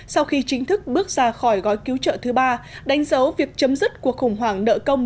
sau khi chính thức bước ra khỏi gói cứu trợ thứ ba đánh dấu việc chấm dứt cuộc khủng hoảng nợ công